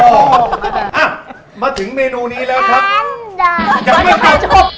อ่ะมาถึงเมนูนี้แล้วครับสวัสดีครับสวัสดีครับ